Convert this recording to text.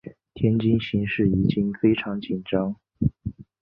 天津形势已经非常紧张。